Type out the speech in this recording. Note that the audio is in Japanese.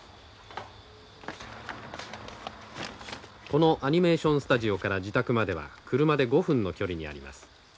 このアニメーションスタジオから自宅までは車で５分の距離にあります。